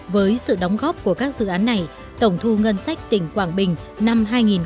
với sự đóng góp của các dự án này tổng thu ngân sách tỉnh quảng bình năm hai nghìn một mươi bảy